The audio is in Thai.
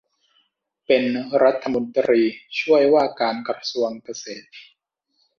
เป็นรัฐมนตรีช่วยว่าการกระทรวงเกษตร